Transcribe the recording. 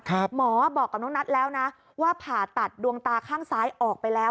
หมอบอกกับน้องนัทแล้วนะว่าผ่าตัดดวงตาข้างซ้ายออกไปแล้ว